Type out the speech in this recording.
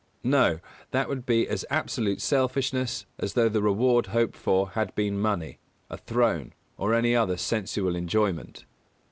No; that would be as absolute selfishness as though the reward hoped for had been money, a throne, or any other sensual enjoyment.